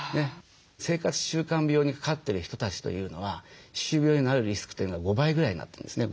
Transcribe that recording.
生活習慣病にかかってる人たちというのは歯周病になるリスクというのが５倍ぐらいになってるんですね。